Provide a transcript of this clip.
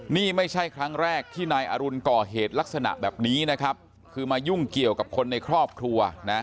นี่ไม่ใช่ครั้งแรกที่นายอรุณก่อเหตุลักษณะแบบนี้นะครับคือมายุ่งเกี่ยวกับคนในครอบครัวนะ